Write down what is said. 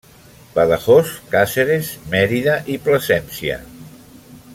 Badajoz, Càceres, Mèrida i Plasència.